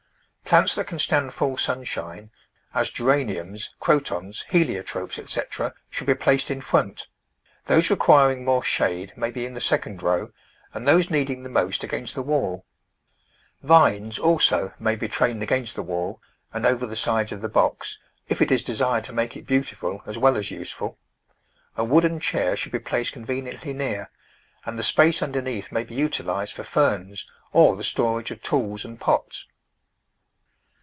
Plants that can stand full sunshine — as Geraniums, Crotons, Heliotropes, etc. — should be placed in front; those requiring more shade may be in the second row, and those needing the most against the wall. Vines, also, may be trained against the wall, and over the sides of the box, if it is desired to make it beautiful as well as useful. A wooden chair should be placed con veniently near, and the space underneath may be util ised for ferns, or the storage of tools and pots.